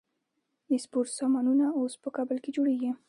د سپورت سامانونه اوس په کابل کې جوړیږي.